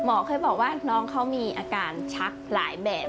เคยบอกว่าน้องเขามีอาการชักหลายแบบ